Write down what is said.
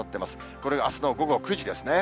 これがあすの午後９時ですね。